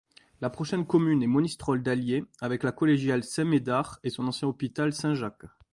La prochaine commune est Monistrol-d'Allier, avec la collégiale Saint-Médard et son ancien hôpital Saint-Jacques.